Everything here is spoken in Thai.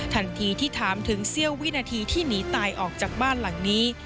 ทันทีที่ถามถึงเสี้ยววินาทีที่หนีตายออกจากบ้านหลังนี้